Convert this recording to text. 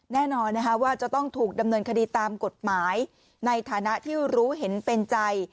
แน่นอนว่าจะต้องถูกดำเนินคดีตามกฎหมายในฐานะที่รู้เห็นเป็นใจ